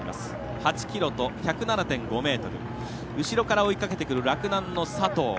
８ｋｍと１０７．５ｍ後ろから追いかけてくる洛南の佐藤。